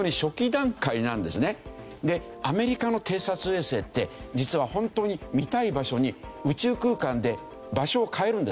アメリカの偵察衛星って実はホントに見たい場所に宇宙空間で場所を変えるんですよ。